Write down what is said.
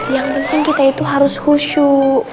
yang penting kita itu harus khusyuk